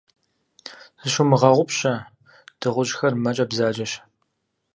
Зыщумыгъэгъупщэ, дыгъужьхэр мэкӀэ бзаджэщ.